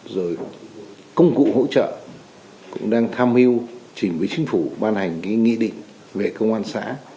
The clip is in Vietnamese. rồi công cụ hỗ trợ cũng đang tham hiu chỉ với chính phủ ban hành nghị định về công an xã